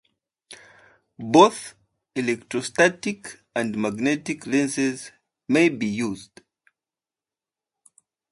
Both electrostatic and magnetic lenses may be used.